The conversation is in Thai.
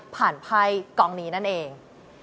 ไพ่กองนี้นั่นเอง